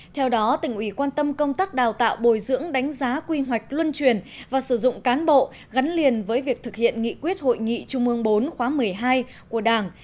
theo đó tỉnh ủy quan tâm công tác đào tạo bồi dưỡng đánh giá quy hoạch luân truyền và sử dụng cán bộ gắn liền với việc thực hiện nghị quyết hội nghị trung ương bốn khóa một mươi hai của đảng